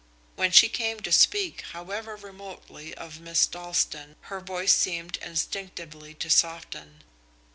When she came to speak, however remotely, of Miss Dalstan, her voice seemed instinctively to soften.